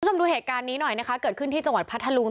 คุณผู้ชมดูเหตุการณ์นี้หน่อยนะคะเกิดขึ้นที่จังหวัดพัทธลุง